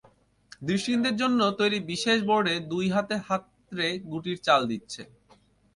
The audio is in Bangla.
দৃষ্টিহীনদের জন্য তৈরি বিশেষ বোর্ডে দুই হাতে হাতড়ে গুটির চাল দিচ্ছে।